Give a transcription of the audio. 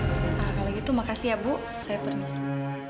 nah kalau gitu makasih ya bu saya permisi